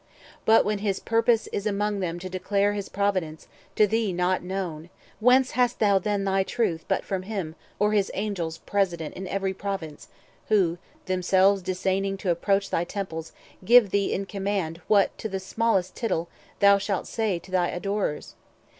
But, when his purpose is Among them to declare his providence, To thee not known, whence hast thou then thy truth, But from him, or his Angels president In every province, who, themselves disdaining To approach thy temples, give thee in command What, to the smallest tittle, thou shalt say 450 To thy adorers?